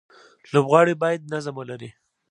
لوبغاړي باید نظم ولري.